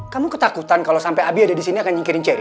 kamu ketakutan kalau sampai abi ada di sini akan nyingkirin ciri